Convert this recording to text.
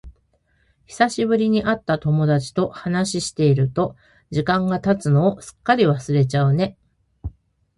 久しぶりに会った友達と話していると、時間が経つのをすっかり忘れちゃうね。